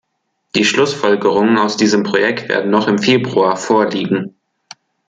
Die Schlussfolgerungen aus diesem Projekt werden noch im Februar vorliegen.